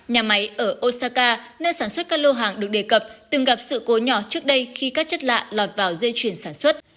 nhà máy ở osaka nơi sản xuất các lô hàng được đề cập từng gặp sự cố nhỏ trước đây khi các chất lạ lọt vào dây chuyển sản xuất